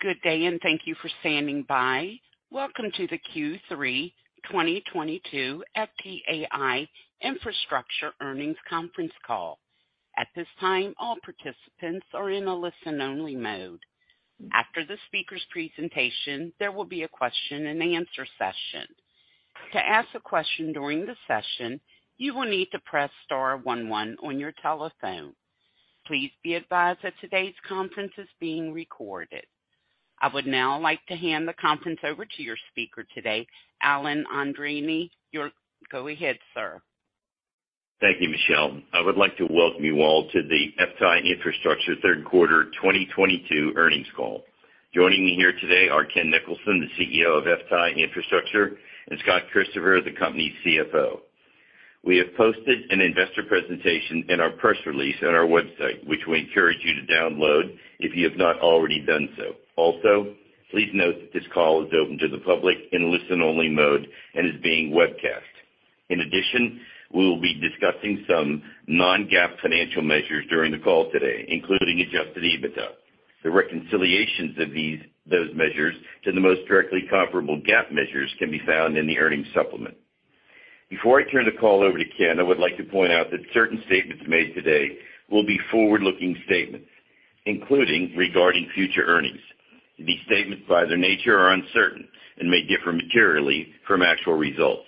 Good day, and thank you for standing by. Welcome to the Q3 2022 FTAI Infrastructure Earnings Conference Call. At this time, all participants are in a listen-only mode. After the speaker's presentation, there will be a question-and-answer session. To ask a question during the session, you will need to press star one one on your telephone. Please be advised that today's conference is being recorded. I would now like to hand the conference over to your speaker today, Alan Andreini. Go ahead, sir. Thank you, Michelle. I would like to welcome you all to the FTAI Infrastructure third quarter 2022 earnings call. Joining me here today are Ken Nicholson, the CEO of FTAI Infrastructure, and Scott Christopher, the company's CFO. We have posted an investor presentation in our press release on our website, which we encourage you to download if you have not already done so. Also, please note that this call is open to the public in listen-only mode and is being webcast. In addition, we will be discussing some non-GAAP financial measures during the call today, including adjusted EBITDA. The reconciliations of those measures to the most directly comparable GAAP measures can be found in the earnings supplement. Before I turn the call over to Ken, I would like to point out that certain statements made today will be forward-looking statements, including regarding future earnings. These statements, by their nature, are uncertain and may differ materially from actual results.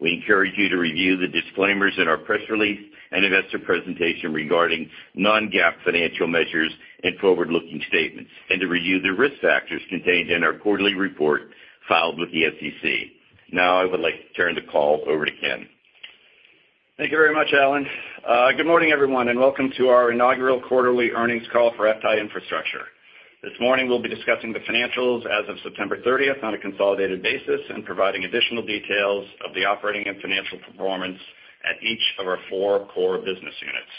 We encourage you to review the disclaimers in our press release and investor presentation regarding non-GAAP financial measures and forward-looking statements, and to review the risk factors contained in our quarterly report filed with the SEC. Now I would like to turn the call over to Ken. Thank you very much, Alan. Good morning, everyone, and welcome to our inaugural quarterly earnings call for FTAI Infrastructure. This morning we'll be discussing the financials as of September 30 on a consolidated basis and providing additional details of the operating and financial performance at each of our four core business units.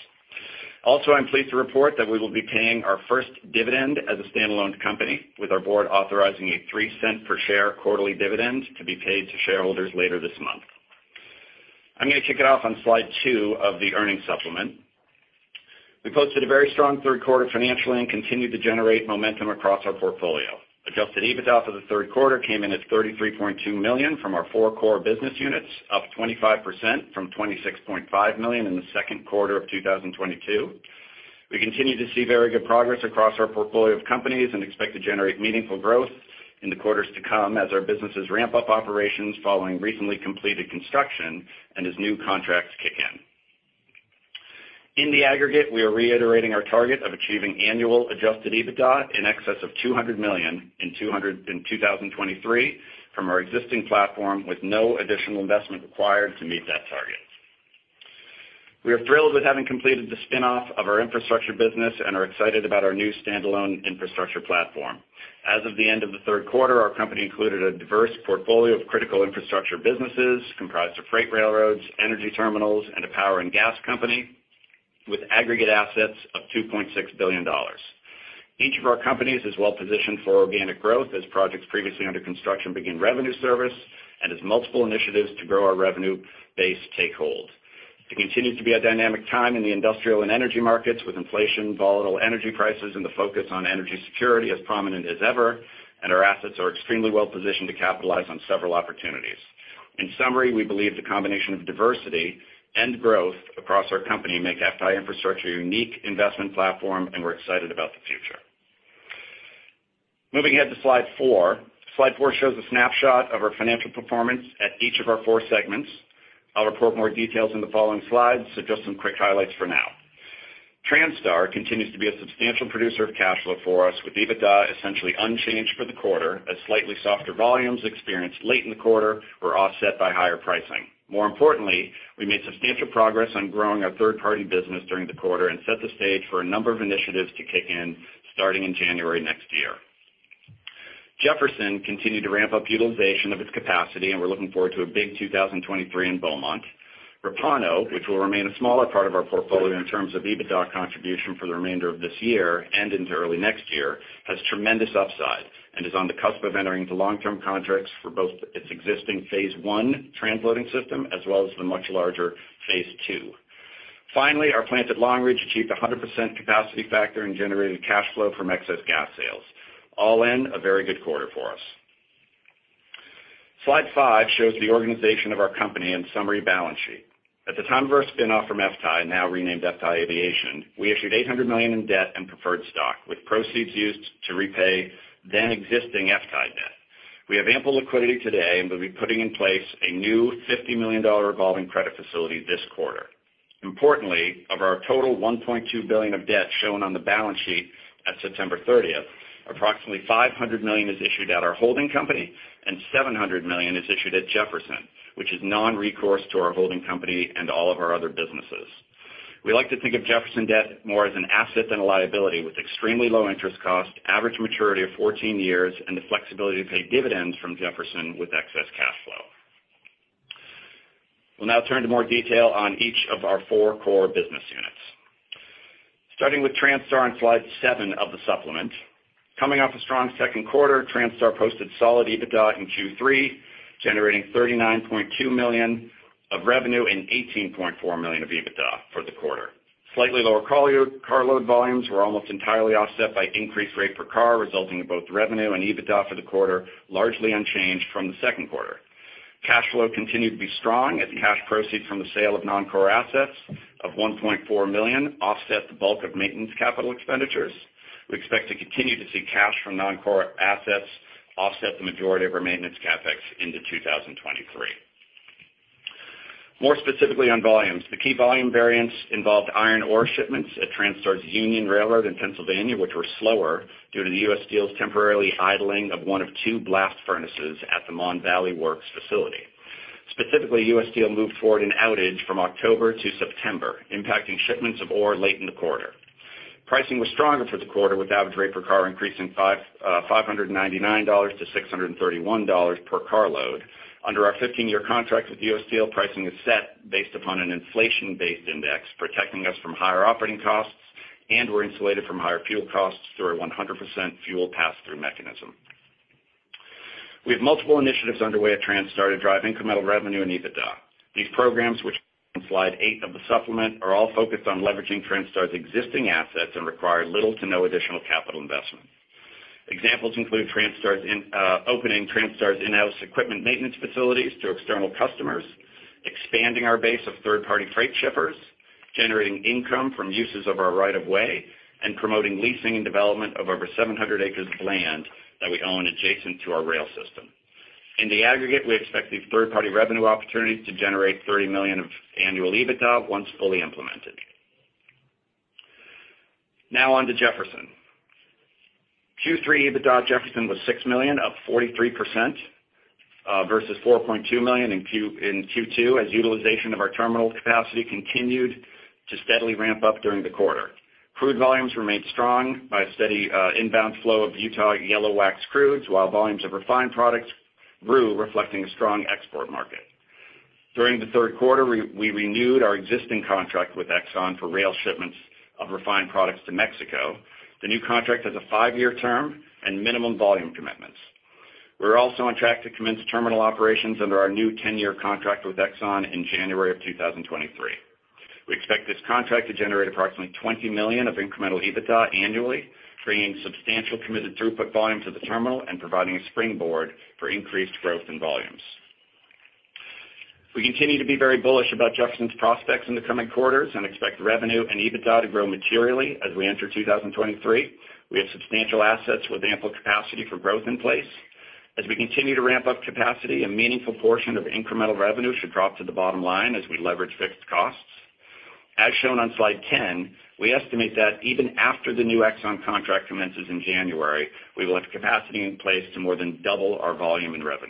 Also, I'm pleased to report that we will be paying our first dividend as a standalone company, with our board authorizing a $0.03 per share quarterly dividend to be paid to shareholders later this month. I'm gonna kick it off on slide two of the earnings supplement. We posted a very strong third quarter financially and continued to generate momentum across our portfolio. Adjusted EBITDA for the third quarter came in at $33.2 million from our four core business units, up 25% from $26.5 million in the second quarter of 2022. We continue to see very good progress across our portfolio of companies and expect to generate meaningful growth in the quarters to come as our businesses ramp up operations following recently completed construction and as new contracts kick in. In the aggregate, we are reiterating our target of achieving annual adjusted EBITDA in excess of $200 million in 2023 from our existing platform with no additional investment required to meet that target. We are thrilled with having completed the spin-off of our infrastructure business and are excited about our new standalone infrastructure platform. As of the end of the third quarter, our company included a diverse portfolio of critical infrastructure businesses comprised of freight railroads, energy terminals, and a power and gas company with aggregate assets of $2.6 billion. Each of our companies is well-positioned for organic growth as projects previously under construction begin revenue service and as multiple initiatives to grow our revenue base take hold. It continues to be a dynamic time in the industrial and energy markets, with inflation, volatile energy prices, and the focus on energy security as prominent as ever, and our assets are extremely well positioned to capitalize on several opportunities. In summary, we believe the combination of diversity and growth across our company make FTAI Infrastructure a unique investment platform, and we're excited about the future. Moving ahead to slide four. Slide four shows a snapshot of our financial performance at each of our four segments. I'll report more details in the following slides, so just some quick highlights for now. Transtar continues to be a substantial producer of cash flow for us, with EBITDA essentially unchanged for the quarter as slightly softer volumes experienced late in the quarter were offset by higher pricing. More importantly, we made substantial progress on growing our third-party business during the quarter and set the stage for a number of initiatives to kick in starting in January next year. Jefferson continued to ramp up utilization of its capacity, and we're looking forward to a big 2023 in Beaumont. Repauno, which will remain a smaller part of our portfolio in terms of EBITDA contribution for the remainder of this year and into early next year, has tremendous upside and is on the cusp of entering into long-term contracts for both its existing phase I transloading system as well as the much larger phase 2. Finally, our plant at Long Ridge achieved 100% capacity factor and generated cash flow from excess gas sales. All in, a very good quarter for us. Slide five shows the organization of our company and summary balance sheet. At the time of our spin-off from FTAI, now renamed FTAI Aviation, we issued $800 million in debt and preferred stock, with proceeds used to repay then-existing FTAI debt. We have ample liquidity today and will be putting in place a new $50 million revolving credit facility this quarter. Importantly, of our total $1.2 billion of debt shown on the balance sheet at September 30, approximately $500 million is issued at our holding company and $700 million is issued at Jefferson, which is non-recourse to our holding company and all of our other businesses. We like to think of Jefferson debt more as an asset than a liability, with extremely low interest cost, average maturity of 14 years, and the flexibility to pay dividends from Jefferson with excess cash flow. We'll now turn to more detail on each of our four core business units. Starting with Transtar on slide seven of the supplement. Coming off a strong second quarter, Transtar posted solid EBITDA in Q3, generating $39.2 million of revenue and $18.4 million of EBITDA for the quarter. Slightly lower carload volumes were almost entirely offset by increased rate per car, resulting in both revenue and EBITDA for the quarter, largely unchanged from the second quarter. Cash flow continued to be strong as cash proceeds from the sale of non-core assets of $1.4 million offset the bulk of maintenance capital expenditures. We expect to continue to see cash from non-core assets offset the majority of our maintenance CapEx into 2023. More specifically on volumes. The key volume variance involved iron ore shipments at Transtar's Union Railroad in Pennsylvania, which were slower due to the U.S. Steel's temporarily idling of one of two blast furnaces at the Mon Valley Works facility. Specifically, U.S. Steel moved forward an outage from October to September, impacting shipments of ore late in the quarter. Pricing was stronger for the quarter, with average rate per car increasing $599-$631 per carload. Under our 15-year contract with U.S. Steel, pricing is set based upon an inflation-based index, protecting us from higher operating costs, and we're insulated from higher fuel costs through our 100% fuel pass-through mechanism. We have multiple initiatives underway at Transtar to drive incremental revenue and EBITDA. These programs, which on slide eight of the supplement, are all focused on leveraging Transtar's existing assets and require little to no additional capital investment. Examples include opening Transtar's in-house equipment maintenance facilities to external customers, expanding our base of third-party freight shippers, generating income from uses of our right of way, and promoting leasing and development of over 700 acres of land that we own adjacent to our rail system. In the aggregate, we expect these third-party revenue opportunities to generate $30 million of annual EBITDA once fully implemented. Now on to Jefferson. Q3 EBITDA at Jefferson was $6 million, up 43%, versus $4.2 million in Q2, as utilization of our terminal capacity continued to steadily ramp up during the quarter. Crude volumes remained strong by a steady inbound flow of Utah yellow wax crudes, while volumes of refined products grew, reflecting a strong export market. During the third quarter, we renewed our existing contract with Exxon for rail shipments of refined products to Mexico. The new contract has a 5-year term and minimum volume commitments. We're also on track to commence terminal operations under our new 10-year contract with Exxon in January 2023. We expect this contract to generate approximately $20 million of incremental EBITDA annually, creating substantial committed throughput volume to the terminal and providing a springboard for increased growth in volumes. We continue to be very bullish about Jefferson's prospects in the coming quarters and expect revenue and EBITDA to grow materially as we enter 2023. We have substantial assets with ample capacity for growth in place. As we continue to ramp up capacity, a meaningful portion of incremental revenue should drop to the bottom line as we leverage fixed costs. As shown on slide 10, we estimate that even after the new Exxon contract commences in January, we will have capacity in place to more than double our volume and revenue.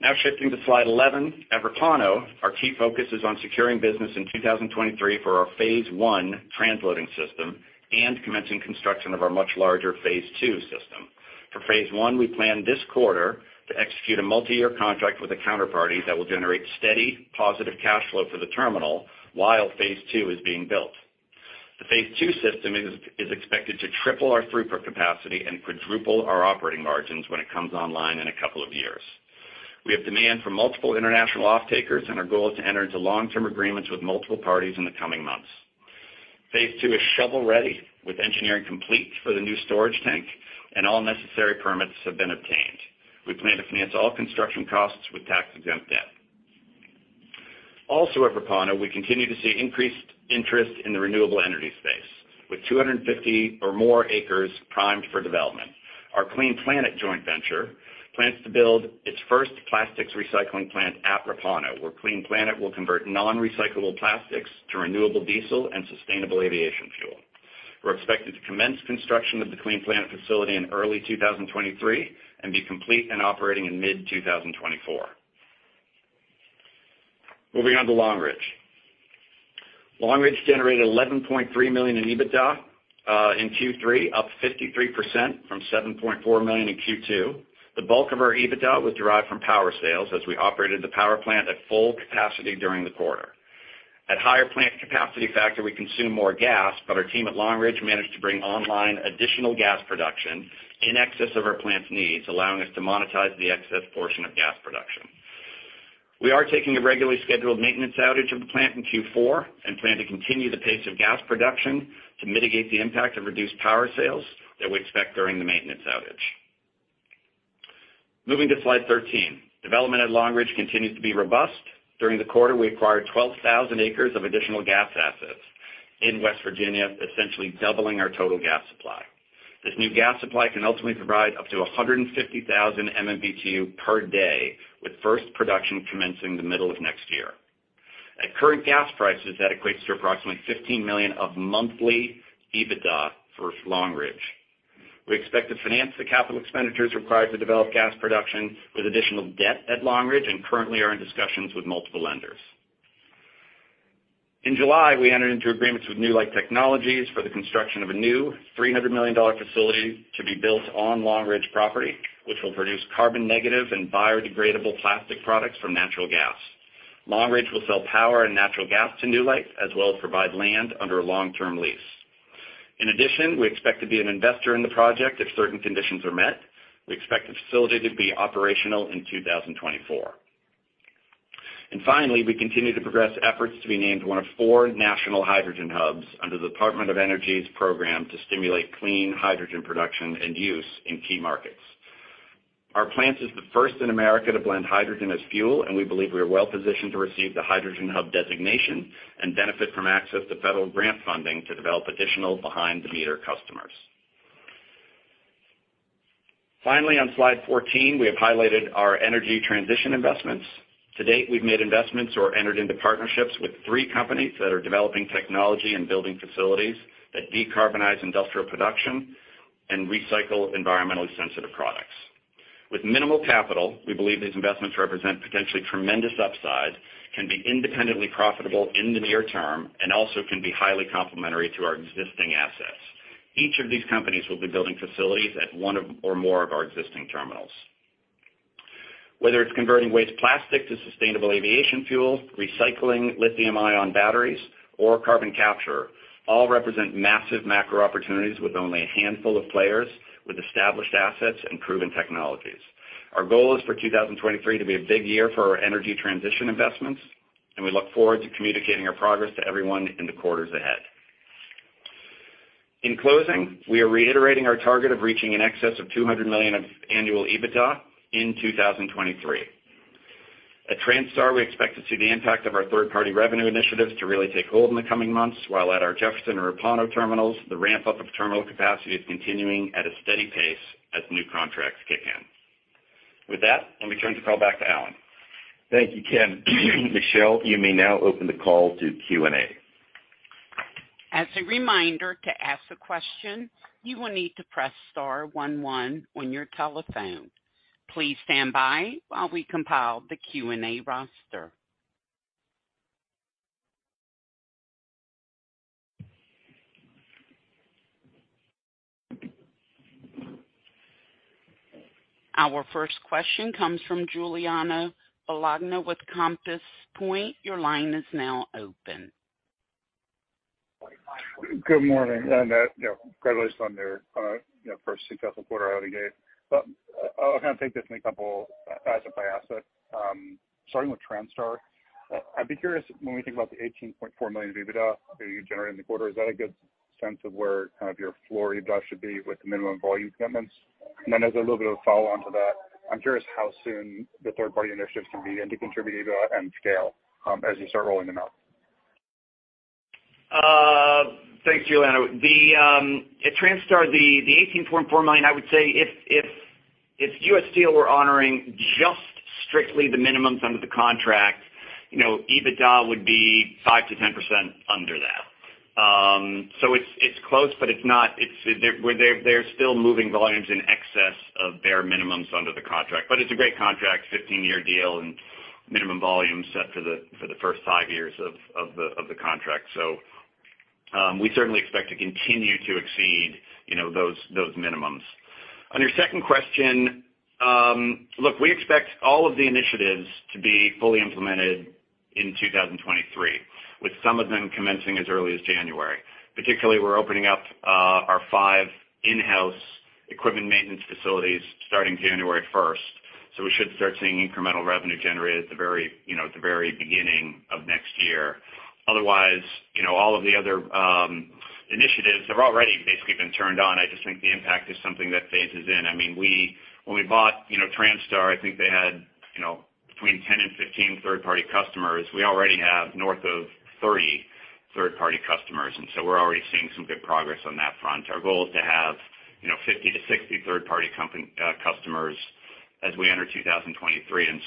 Now shifting to slide 11. At Repauno, our key focus is on securing business in 2023 for our phase I transloading system and commencing construction of our much larger phase II system. For phase I, we plan this quarter to execute a multi-year contract with a counterparty that will generate steady positive cash flow for the terminal while phase II is being built. The phase II system is expected to triple our throughput capacity and quadruple our operating margins when it comes online in a couple of years. We have demand from multiple international offtakers, and our goal is to enter into long-term agreements with multiple parties in the coming months. Phase two is shovel-ready with engineering complete for the new storage tank and all necessary permits have been obtained. We plan to finance all construction costs with tax-exempt debt. Also at Repauno, we continue to see increased interest in the renewable energy space with 250 or more acres primed for development. Our Clean Planet joint venture plans to build its first plastics recycling plant at Repauno, where Clean Planet will convert non-recyclable plastics to renewable diesel and sustainable aviation fuel. We're expected to commence construction of the Clean Planet facility in early 2023 and be complete and operating in mid 2024. Moving on to Long Ridge. Long Ridge generated $11.3 million in EBITDA in Q3, up 53% from $7.4 million in Q2. The bulk of our EBITDA was derived from power sales as we operated the power plant at full capacity during the quarter. At higher plant capacity factor, we consume more gas, but our team at Long Ridge managed to bring online additional gas production in excess of our plant's needs, allowing us to monetize the excess portion of gas production. We are taking a regularly scheduled maintenance outage of the plant in Q4 and plan to continue the pace of gas production to mitigate the impact of reduced power sales that we expect during the maintenance outage. Moving to slide 13. Development at Long Ridge continues to be robust. During the quarter, we acquired 12,000 acres of additional gas assets in West Virginia, essentially doubling our total gas supply. This new gas supply can ultimately provide up to 150,000 MMBtu per day, with first production commencing the middle of next year. At current gas prices, that equates to approximately $15 million of monthly EBITDA for Long Ridge. We expect to finance the capital expenditures required to develop gas production with additional debt at Long Ridge and currently are in discussions with multiple lenders. In July, we entered into agreements with Newlight Technologies for the construction of a new $300 million facility to be built on Long Ridge property, which will produce carbon-negative and biodegradable plastic products from natural gas. Long Ridge will sell power and natural gas to Newlight, as well as provide land under a long-term lease. In addition, we expect to be an investor in the project if certain conditions are met. We expect the facility to be operational in 2024. Finally, we continue to progress efforts to be named one of four national hydrogen hubs under the Department of Energy's program to stimulate clean hydrogen production and use in key markets. Our plant is the first in America to blend hydrogen as fuel, and we believe we are well positioned to receive the hydrogen hub designation and benefit from access to federal grant funding to develop additional behind-the-meter customers. Finally, on slide 14, we have highlighted our energy transition investments. To date, we've made investments or entered into partnerships with three companies that are developing technology and building facilities that decarbonize industrial production and recycle environmentally sensitive products. With minimal capital, we believe these investments represent potentially tremendous upside, can be independently profitable in the near term, and also can be highly complementary to our existing assets. Each of these companies will be building facilities at one or more of our existing terminals. Whether it's converting waste plastic to sustainable aviation fuel, recycling lithium-ion batteries or carbon capture, all represent massive macro opportunities with only a handful of players with established assets and proven technologies. Our goal is for 2023 to be a big year for our energy transition investments, and we look forward to communicating our progress to everyone in the quarters ahead. In closing, we are reiterating our target of reaching in excess of $200 million of annual EBITDA in 2023. At Transtar, we expect to see the impact of our third-party revenue initiatives to really take hold in the coming months, while at our Jefferson and Repauno terminals, the ramp-up of terminal capacity is continuing at a steady pace as new contracts kick in. With that, let me turn the call back to Alan. Thank you, Ken. Michelle, you may now open the call to Q&A. As a reminder, to ask a question, you will need to press star one one on your telephone. Please stand by while we compile the Q&A roster. Our first question comes from Giuliano Bologna with Compass Point. Your line is now open. Good morning, you know, congratulations on your, you know, first successful quarter out of the gate. I'll kind of take this in a couple asset by asset. Starting with Transtar, I'd be curious when we think about the $18.4 million EBITDA that you generated in the quarter, is that a good sense of where kind of your floor EBITDA should be with the minimum volume commitments? As a little bit of a follow-on to that, I'm curious how soon the third-party initiatives can begin to contribute to EBITDA and scale, as you start rolling them out. Thanks, Giuliano. At Transtar, the $18.4 million, I would say if U.S. Steel were honoring just strictly the minimums under the contract, you know, EBITDA would be 5%-10% under that. It's close, but it's not. They're still moving volumes in excess of their minimums under the contract. It's a great contract, 15-year deal and minimum volume set for the first 5 years of the contract. We certainly expect to continue to exceed, you know, those minimums. On your second question, look, we expect all of the initiatives to be fully implemented in 2023, with some of them commencing as early as January. Particularly, we're opening up our five in-house equipment maintenance facilities starting January first. We should start seeing incremental revenue generated at the very, you know, at the very beginning of next year. Otherwise, you know, all of the other initiatives have already basically been turned on. I just think the impact is something that phases in. I mean, when we bought, you know, Transtar, I think they had, you know, between 10 and 15 third-party customers. We already have north of 30 third-party customers, and so we're already seeing some good progress on that front. Our goal is to have, you know, 50-60 third-party customers as we enter 2023.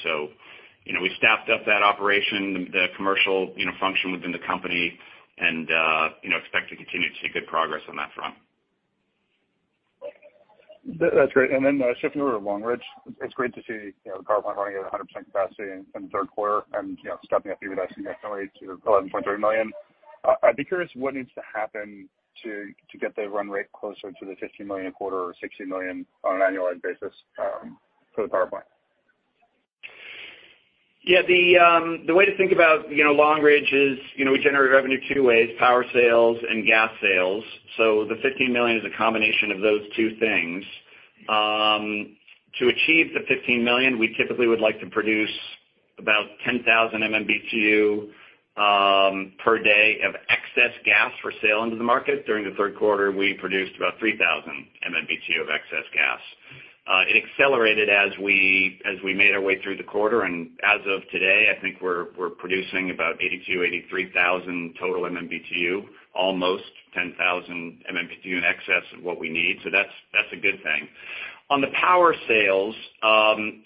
We staffed up that operation, the commercial, you know, function within the company and expect to continue to see good progress on that front. That's great. Shifting over to Long Ridge, it's great to see, you know, the power plant running at 100% capacity in the third quarter and, you know, stepping up EBITDA significantly to $11.3 million. I'd be curious what needs to happen to get the run rate closer to the $15 million a quarter or $60 million on an annualized basis for the power plant. Yeah, the way to think about, you know, Long Ridge is, you know, we generate revenue two ways, power sales and gas sales. The $15 million is a combination of those two things. To achieve the $15 million, we typically would like to produce about 10,000 MMBtu per day of excess gas for sale into the market. During the third quarter, we produced about 3,000 MMBtu of excess gas. It accelerated as we made our way through the quarter, and as of today, I think we're producing about 82,000-83,000 total MMBtu, almost 10,000 MMBtu in excess of what we need. That's a good thing. On the power sales,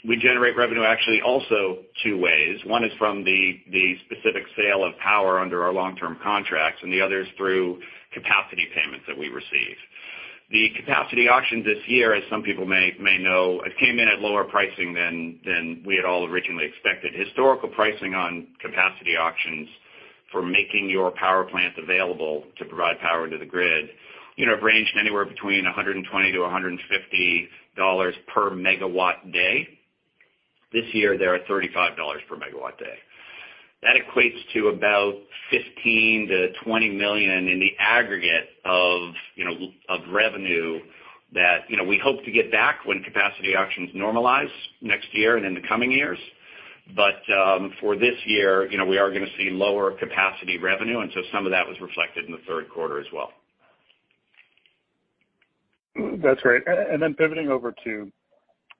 we generate revenue actually also two ways. One is from the specific sale of power under our long-term contracts, and the other is through capacity payments that we receive. The capacity auction this year, as some people may know, it came in at lower pricing than we had all originally expected. Historical pricing on capacity auctions for making your power plant available to provide power to the grid, you know, have ranged anywhere between $120-$150 per megawatt-day. This year, they're at $35 per megawatt-day. That equates to about $15 million-$20 million in the aggregate of revenue that, you know, we hope to get back when capacity auctions normalize next year and in the coming years. For this year, you know, we are gonna see lower capacity revenue, and so some of that was reflected in the third quarter as well. That's great. Pivoting over to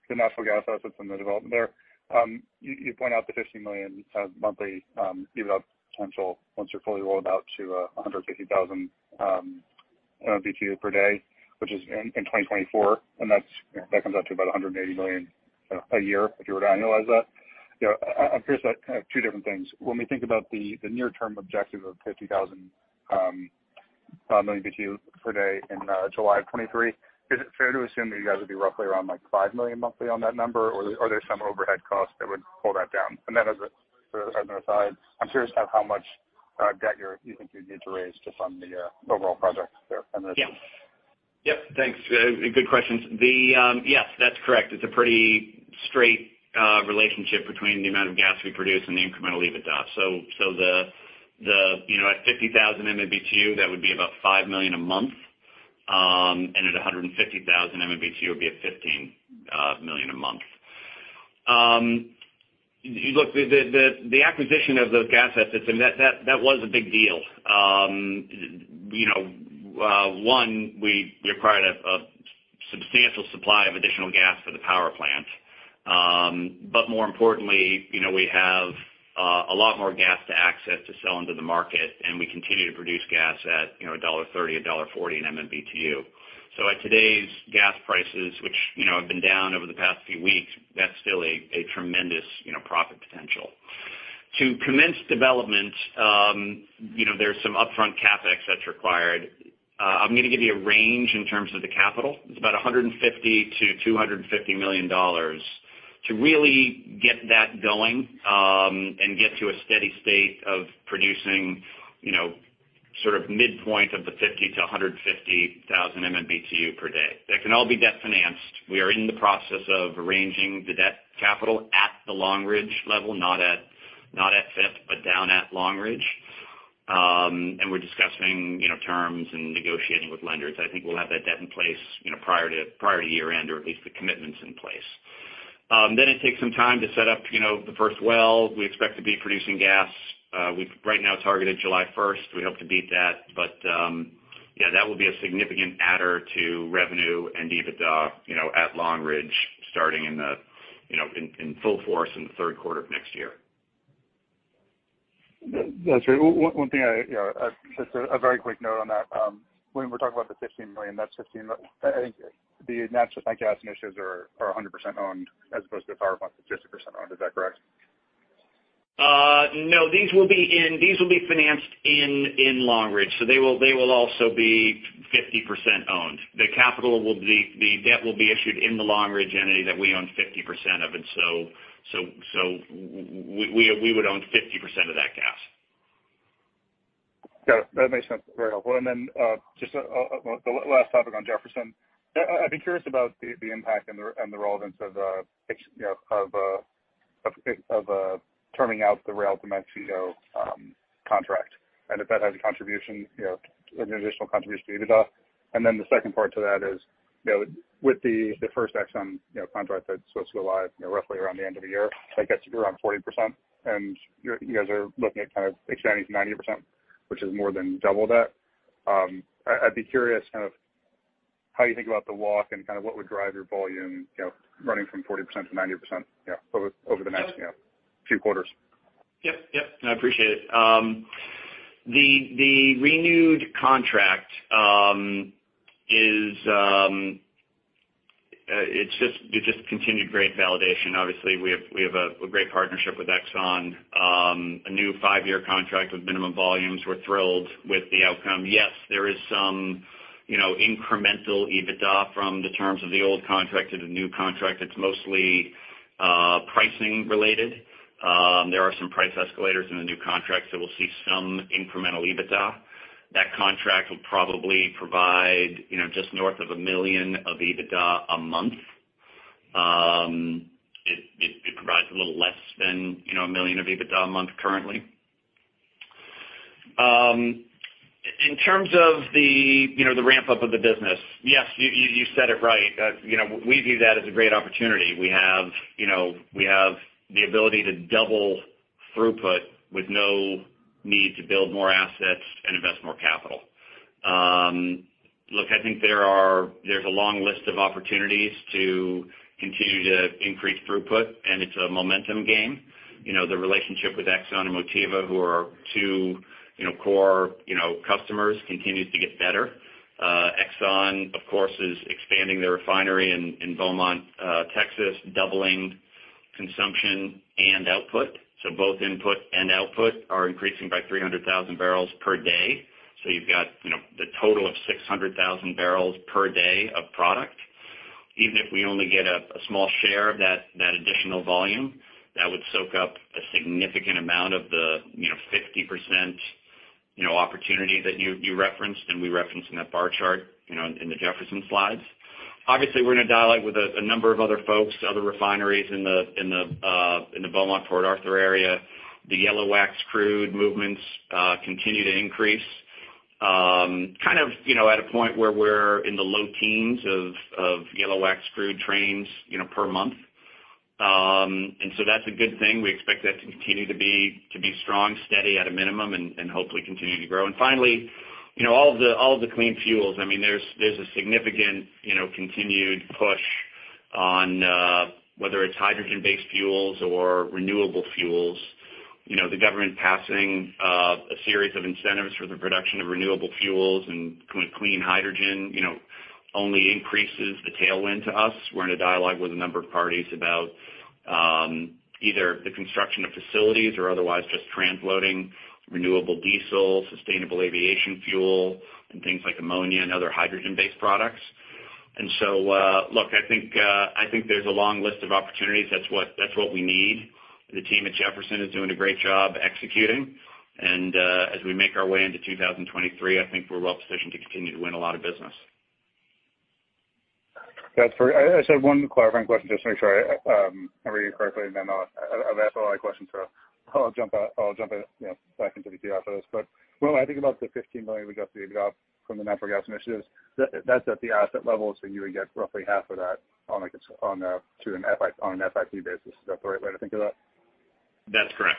the natural gas assets and the development there. You point out the $15 million monthly EBITDA potential once you're fully rolled out to 150,000 MMBtu per day, which is in 2024, and that comes out to about $180 million a year if you were to annualize that. I'm curious about kind of two different things. When we think about the near term objective of 50,000 MMBtu per day in July of 2023, is it fair to assume that you guys would be roughly around like $5 million monthly on that number? Or are there some overhead costs that would pull that down? As sort of an aside, I'm curious about how much debt you think you'd need to raise to fund the overall project there on this. Yeah. Yep, thanks. Good questions. Yes, that's correct. It's a pretty straight relationship between the amount of gas we produce and the incremental EBITDA. The you know, at 50,000 MMBtu, that would be about $5 million a month. At 150,000 MMBtu, it would be at $15 million a month. Look, the acquisition of those gas assets, and that was a big deal. You know, one, we acquired a substantial supply of additional gas for the power plant. More importantly, you know, we have a lot more gas to access to sell into the market, and we continue to produce gas at, you know, $1.30, $1.40 in MMBtu. At today's gas prices, which you know have been down over the past few weeks, that's still a tremendous, you know, profit potential. To commence development, you know, there's some upfront CapEx that's required. I'm gonna give you a range in terms of the capital. It's about $150 million-$250 million to really get that going, and get to a steady state of producing, you know, sort of midpoint of the 50 to 150 thousand MMBtu per day. That can all be debt-financed. We are in the process of arranging the debt capital at the Long Ridge level, not at FIP, but down at Long Ridge. We're discussing, you know, terms and negotiating with lenders. I think we'll have that debt in place, you know, prior to year-end, or at least the commitments in place. It takes some time to set up, you know, the first well. We expect to be producing gas, we've right now targeted July first. We hope to beat that, but yeah, that will be a significant adder to revenue and EBITDA, you know, at Long Ridge, starting in, you know, in full force in the third quarter of next year. That's great. One thing I, you know, just a very quick note on that. When we're talking about the $15 million, that's $15 million. I think the natural gas initiatives are 100% owned as opposed to the power plant that's 50% owned. Is that correct? No, these will be financed in Long Ridge, they will also be 50% owned. The debt will be issued in the Long Ridge entity that we own 50% of, we would own 50% of that gas. Got it. That makes sense. Very helpful. Just the last topic on Jefferson. I'd be curious about the impact and the relevance of Exxon terming out the rail to Mexico contract, and if that has a contribution, you know, an additional contribution to EBITDA. The second part to that is, you know, with the first Exxon contract that's supposed to go live, you know, roughly around the end of the year, that gets you around 40%, and you guys are looking at kind of expanding to 90%, which is more than double that. I'd be curious kind of how you think about the walk and kind of what would drive your volume, you know, running from 40% to 90%, you know, over the next, you know, few quarters. Yep. No, I appreciate it. The renewed contract is just continued great validation. Obviously, we have a great partnership with Exxon. A new five-year contract with minimum volumes. We're thrilled with the outcome. Yes, there is some incremental EBITDA from the terms of the old contract to the new contract. It's mostly pricing related. There are some price escalators in the new contract, so we'll see some incremental EBITDA. That contract will probably provide just north of $1 million of EBITDA a month. It provides a little less than $1 million of EBITDA a month currently. In terms of the ramp-up of the business, yes, you said it right. You know, we view that as a great opportunity. We have, you know, we have the ability to double throughput with no need to build more assets and invest more capital. Look, I think there's a long list of opportunities to continue to increase throughput, and it's a momentum game. You know, the relationship with Exxon and Motiva, who are two, you know, core, you know, customers, continues to get better. Exxon, of course, is expanding their refinery in Beaumont, Texas, doubling consumption and output. Both input and output are increasing by 300,000 barrels per day. You've got, you know, the total of 600,000 barrels per day of product. Even if we only get a small share of that additional volume, that would soak up a significant amount of the, you know, 50% opportunity that you referenced and we referenced in that bar chart, you know, in the Jefferson slides. Obviously, we're in a dialogue with a number of other folks, other refineries in the Beaumont-Port Arthur area. The yellow wax crude movements continue to increase, you know, at a point where we're in the low teens of yellow wax crude trains, you know, per month. That's a good thing. We expect that to continue to be strong, steady at a minimum, and hopefully continue to grow. Finally, you know, all of the clean fuels, I mean, there's a significant, you know, continued push on whether it's hydrogen-based fuels or renewable fuels. You know, the government passing a series of incentives for the production of renewable fuels and clean hydrogen, you know, only increases the tailwind to us. We're in a dialogue with a number of parties about either the construction of facilities or otherwise just transloading renewable diesel, sustainable aviation fuel, and things like ammonia and other hydrogen-based products. Look, I think there's a long list of opportunities. That's what we need. The team at Jefferson is doing a great job executing. As we make our way into 2023, I think we're well-positioned to continue to win a lot of business. That's fair. I just have one clarifying question just to make sure I heard you correctly, and then I've asked all my questions, so I'll jump out, you know, back into the queue after this. Will, I think about the $15 million of EBITDA from the natural gas initiatives, that's at the asset level, so you would get roughly half of that on an FIP basis. Is that the right way to think of that? That's correct.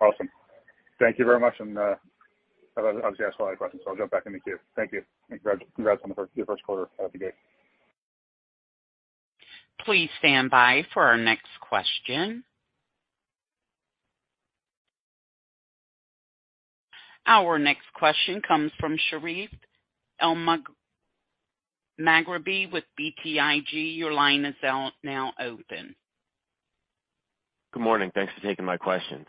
Awesome. Thank you very much. That was obviously last question, so I'll jump back in the queue. Thank you. Congrats on your first quarter out of the gate. Please stand by for our next question. Our next question comes from Sherif Elmaghrabi with BTIG. Your line is now open. Good morning. Thanks for taking my questions.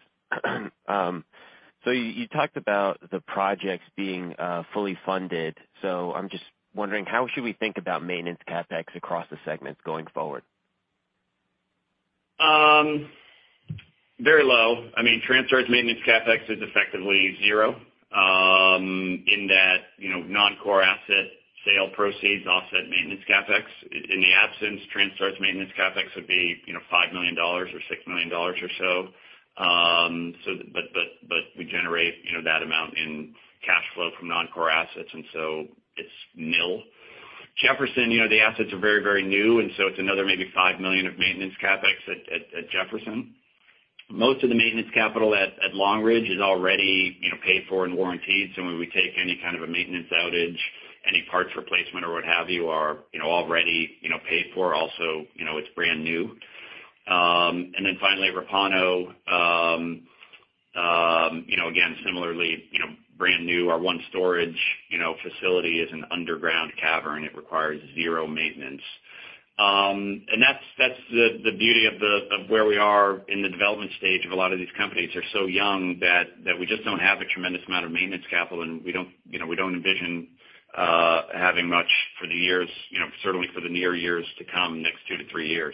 You talked about the projects being fully funded. I'm just wondering how we should think about maintenance CapEx across the segments going forward? Very low. I mean, Transtar maintenance CapEx is effectively zero, in that, you know, non-core asset sale proceeds offset maintenance CapEx. In the absence, Transtar's maintenance CapEx would be, you know, $5 million or $6 million or so. But we generate, you know, that amount in cash flow from non-core assets, and so it's nil. Jefferson, you know, the assets are very, very new, and so it's another maybe $5 million of maintenance CapEx at Jefferson. Most of the maintenance capital at Long Ridge is already, you know, paid for and warrantied, so when we take any kind of a maintenance outage, any parts replacement or what have you are, you know, already, you know, paid for. Also, you know, it's brand new. And then finally, Repauno, you know, again, similarly, you know, brand new. Our one storage facility is an underground cavern. It requires zero maintenance. That's the beauty of where we are in the development stage of a lot of these companies. They're so young that we just don't have a tremendous amount of maintenance capital, and we don't envision having much for the years, certainly for the near years to come, next 2 to 3 years.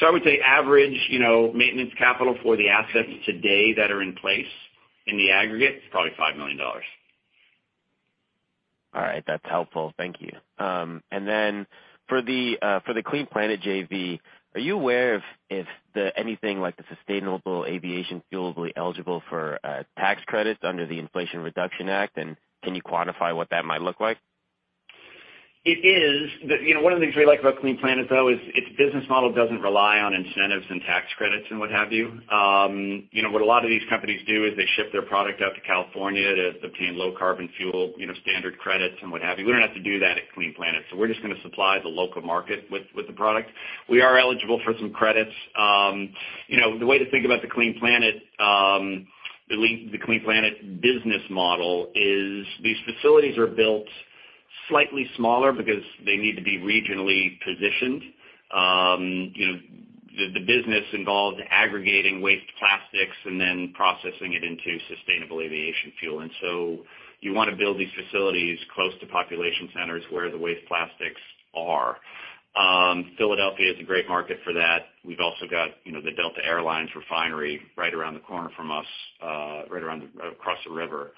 I would say average maintenance capital for the assets today that are in place in the aggregate is probably $5 million. All right. That's helpful. Thank you. Then for the Clean Planet JV, are you aware if anything like the sustainable aviation fuel will be eligible for tax credits under the Inflation Reduction Act, and can you quantify what that might look like? It is. You know, one of the things we like about Clean Planet, though, is its business model doesn't rely on incentives and tax credits and what have you. You know, what a lot of these companies do is they ship their product out to California to obtain Low Carbon Fuel Standard credits and what have you. We don't have to do that at Clean Planet, so we're just gonna supply the local market with the product. We are eligible for some credits. You know, the way to think about the Clean Planet business model is these facilities are built slightly smaller because they need to be regionally positioned. You know, the business involves aggregating waste plastics and then processing it into sustainable aviation fuel. You wanna build these facilities close to population centers where the waste plastics are. Philadelphia is a great market for that. We've also got, you know, the Delta Air Lines refinery right around the corner from us, across the river.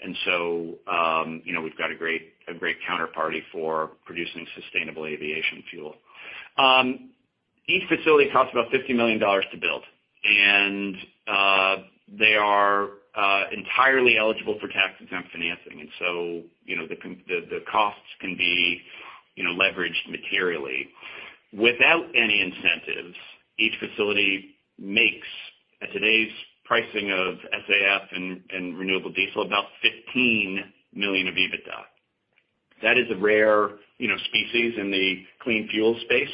You know, we've got a great counterparty for producing sustainable aviation fuel. Each facility costs about $50 million to build, and they are entirely eligible for tax-exempt financing. You know, the costs can be, you know, leveraged materially. Without any incentives, each facility makes, at today's pricing of SAF and renewable diesel, about $15 million of EBITDA. That is a rare, you know, species in the clean fuel space,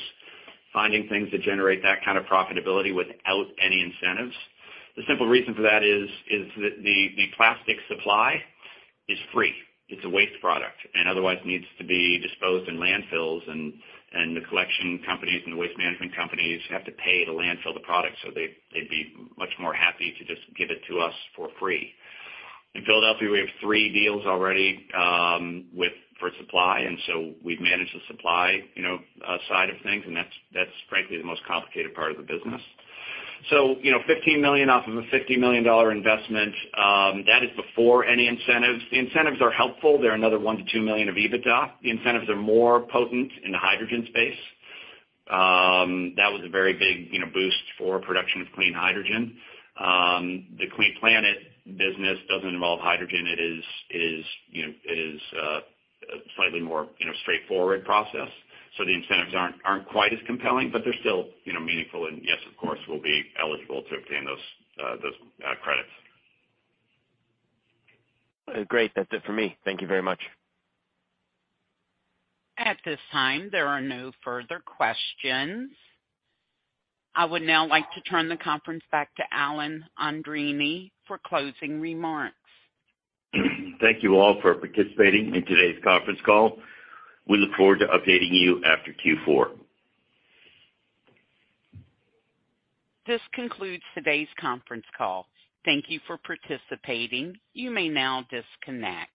finding things that generate that kind of profitability without any incentives. The simple reason for that is the plastic supply is free. It's a waste product and otherwise needs to be disposed in landfills, and the collection companies and the waste management companies have to pay to landfill the product, so they'd be much more happy to just give it to us for free. In Philadelphia, we have three deals already with for supply, and we've managed the supply, you know, side of things, and that's frankly the most complicated part of the business. You know, $15 million off of a $50 million investment, that is before any incentives. The incentives are helpful. They're another $1 million-$2 million of EBITDA. The incentives are more potent in the hydrogen space. That was a very big, you know, boost for production of clean hydrogen. The Clean Planet business doesn't involve hydrogen. It is, you know, a slightly more, you know, straightforward process. The incentives aren't quite as compelling, but they're still, you know, meaningful. Yes, of course, we'll be eligible to obtain those credits. Great. That's it for me. Thank you very much. At this time, there are no further questions. I would now like to turn the conference back to Alan Andreini for closing remarks. Thank you all for participating in today's conference call. We look forward to updating you after Q4. This concludes today's conference call. Thank you for participating. You may now disconnect.